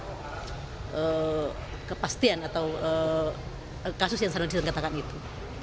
desmond mengatakan bahwa beliau mengatakan langsung kepadanya itu